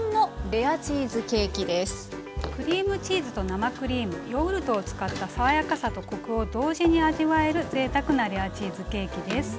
クリームチーズと生クリームヨーグルトを使った爽やかさとコクを同時に味わえるぜいたくなレアチーズケーキです。